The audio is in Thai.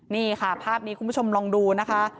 นี่ค่ะภาพนี้คุณผู้ชมลองดูนะคะ